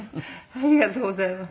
ありがとうございます。